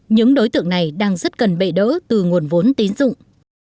những đối tượng này đang rất cần bệ đỡ từ nguồn vốn tín dụng